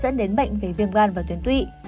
dẫn đến bệnh về viêm gan và tuyến tụy